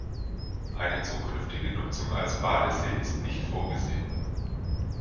Eine zukünftige Nutzung als Badesee ist nicht vorgesehen.